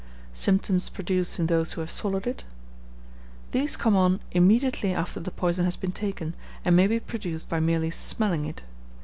Symptoms produced in those who have swallowed it. These come on immediately after the poison has been taken, and may be produced by merely smelling it.